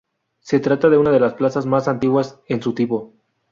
Se trata de una de las plazas más antiguas en su tipo.